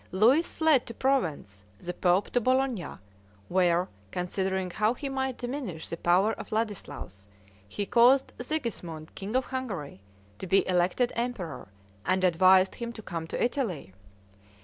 Louis fled to Provence, the pope to Bologna; where, considering how he might diminish the power of Ladislaus, he caused Sigismund, king of Hungary, to be elected emperor, and advised him to come to Italy.